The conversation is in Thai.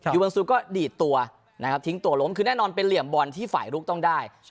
บังซูก็ดีดตัวนะครับทิ้งตัวล้มคือแน่นอนเป็นเหลี่ยมบอลที่ฝ่ายลุกต้องได้